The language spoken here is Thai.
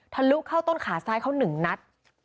ทะลุเข้าต้นขาซ้ายเข้าหนึ่งนัด